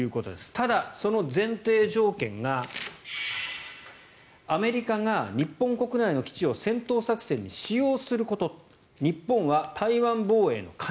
ただ、その前提条件がアメリカが日本国内の基地を戦闘作戦に使用すること日本は台湾防衛の要。